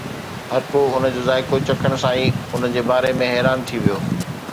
هر ڪو ان جو ذائقو چکڻ سان ئي ان جي باري ۾ حيران ٿي ويو